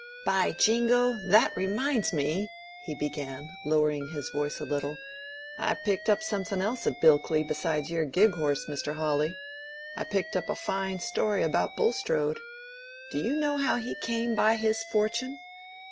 "By jingo! that reminds me," he began, lowering his voice a little, "I picked up something else at Bilkley besides your gig horse, Mr. Hawley. I picked up a fine story about Bulstrode. Do you know how he came by his fortune?